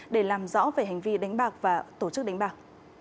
để làm rõ về hành vi đánh bạc và tổ chức đánh bạc